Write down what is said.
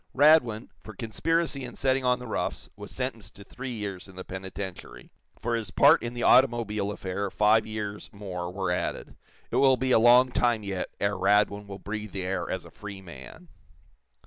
Radwin, for conspiracy in setting on the roughs, was sentenced to three years in the penitentiary; for his part in the automobile affair five years more were added. It will be a long time, yet, ere Radwin will breathe the air as a free man.